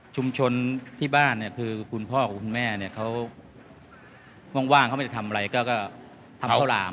ที่บ้านเนี่ยคือคุณพ่อกับคุณแม่เนี่ยเขาว่างเขาไม่ได้ทำอะไรก็ทำข้าวหลาม